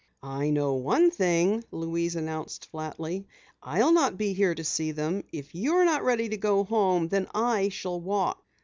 "I know one thing," Louise announced flatly. "I'll not be here to see them. If you're not ready to go home, then I shall walk!"